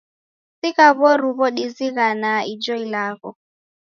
Sigha w'oruw'u dizighanaa ijo ilagho.